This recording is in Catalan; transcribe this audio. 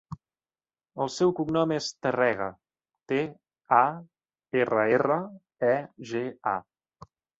El seu cognom és Tarrega: te, a, erra, erra, e, ge, a.